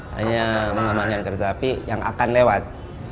hanya mengamankan kereta api yang akan lewat